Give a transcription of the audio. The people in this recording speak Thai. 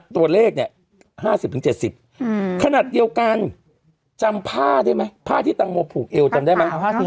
ตัวเลขเนี่ย๕๐๗๐ขนาดเดียวกันจำผ้าได้ไหมผ้าที่ตังโมผูกเอวจำได้ไหม